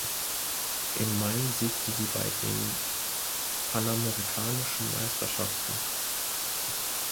Im Mai siegte sie bei den Panamerikanischen Meisterschaften.